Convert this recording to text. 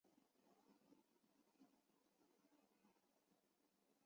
你不能这样做